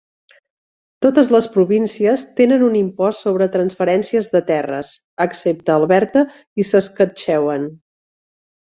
Totes les províncies tenen un impost sobre transferències de terres, excepte Alberta i Saskatchewan.